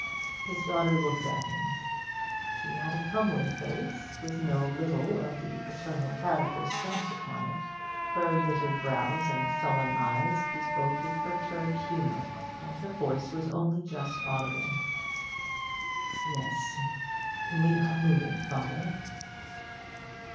His daughter looked at him. She had a comely face, with no little of the paternal character stamped upon it; her knitted brows and sullen eyes bespoke a perturbed humour, and her voice was only just audible. 'Yes, we are moving, father.'